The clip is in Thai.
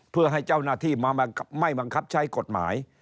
เพื่อให้เจ้าหน้าที่มาไม่บังคับใช้กฎหมาย